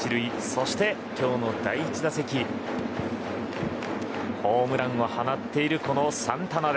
そして、今日の第１打席ホームランを放っているサンタナ。